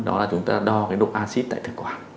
đó là chúng ta đo cái độ acid tại thực quản